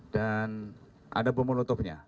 dan ada pemulutopnya